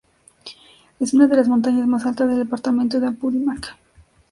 Es una de las montaña más alta del departamento de Apurímac.